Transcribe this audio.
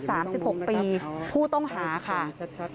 โชว์บ้านในพื้นที่เขารู้สึกยังไงกับเรื่องที่เกิดขึ้น